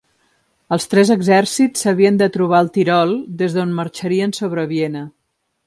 Els tres exèrcits s'havien de trobar al Tirol, des d'on marxarien sobre Viena.